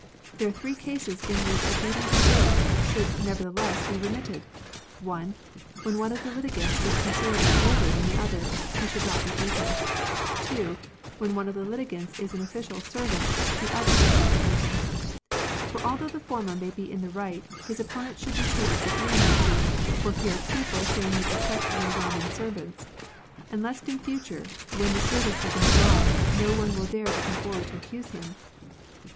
] "There are three cases in which a beating deserved should never theless be remitted. (1.) When one of the litigants is considerably older than the other, he should not be beaten. (2.) When one of the litigants is an official servant, the other should not be beaten. [For although the former may be in the right, his opponent should be treated with leniency, for fear of people saying you protect your Yamen servants ; and lest in future, when the servant is in the wrong, no one will dare come forward to accuse him.